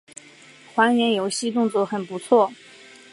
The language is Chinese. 还原游戏动作很不错